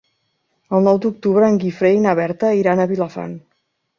El nou d'octubre en Guifré i na Berta iran a Vilafant.